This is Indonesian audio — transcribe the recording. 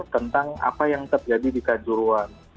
tentang apa yang terjadi karena mereka berpikir tentang apa yang terjadi